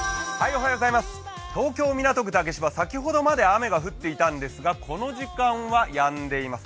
東京・港区竹芝、先ほどまで雨が降っていたんですが、この時間はやんでいます。